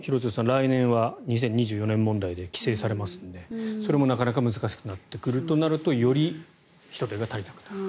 来年は２０２４年問題で規制されますのでそれもなかなか難しくなってくるとなるとより人手が足りなくなると。